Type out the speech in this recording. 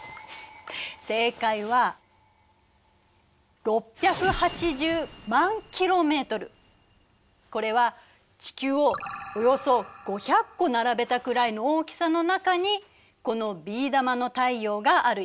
正解はこれは地球をおよそ５００個並べたくらいの大きさの中にこのビー玉の太陽があるイメージね。